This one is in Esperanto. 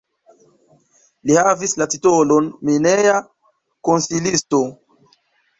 Li havis la titolon mineja konsilisto.